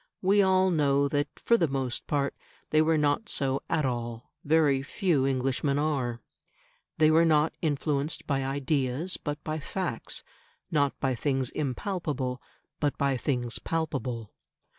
We all know that, for the most part, they were not so at all; very few Englishmen are. They were not influenced by ideas, but by facts; not by things impalpable, but by things palpable.